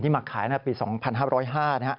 ที่มาขายปี๒๕๐๕นะฮะ